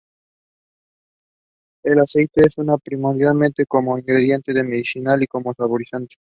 El aceite se usa primordialmente como ingrediente medicinal y como saborizante.